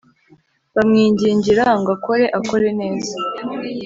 bamwingingira ngo akore akore neza.